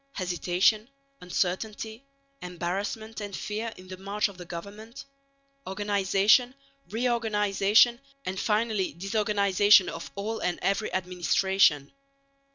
Hesitation uncertainty, embarrassment and fear in the march of the government; organisation, re organisation and finally disorganisation of all and every administration.